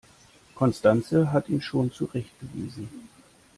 Constanze hat ihn schon zurechtgewiesen.